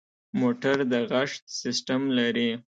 موټر د غږ سیسټم لري.